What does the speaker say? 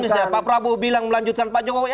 misalnya pak prabowo bilang melanjutkan pak jokowi